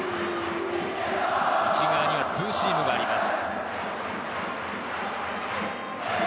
内側にはツーシームがあります。